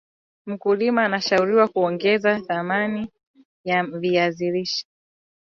mkulima anashauriwa kuongeza dhamani ya viazi lishe